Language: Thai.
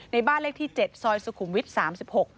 บ้านเลขที่๗ซอยสุขุมวิทย์๓๖